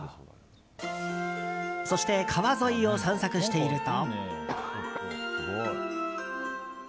そして川沿いを散策していると。